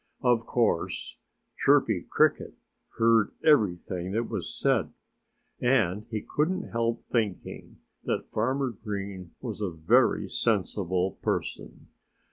Of course Chirpy Cricket heard everything that was said. And he couldn't help thinking that Farmer Green was a very sensible person.